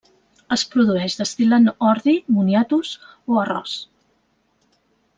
Es produeix destil·lant ordi, moniatos o arròs.